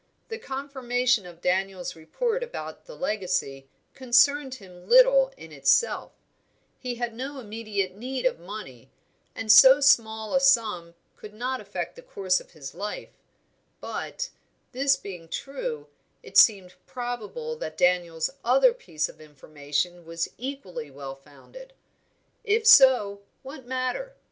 The confirmation of Daniel's report about the legacy concerned him little in itself; he had no immediate need of money, and so small a sum could not affect the course of his life; but, this being true, it seemed probable that Daniel's other piece of information was equally well founded. If so, what matter?